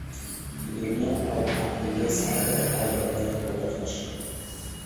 د دنيا او عقبى سعادت او بريا ئې په برخه شي